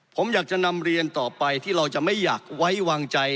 ผมอยากจะนำเรียนต่อไปที่เราจะไม่อยากไว้วางใจ